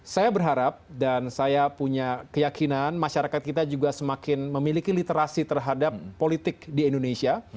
saya berharap dan saya punya keyakinan masyarakat kita juga semakin memiliki literasi terhadap politik di indonesia